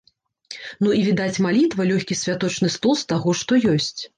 Ну і, відаць, малітва, лёгкі святочны стол з таго, што ёсць.